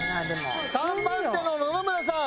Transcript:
３番手の野々村さん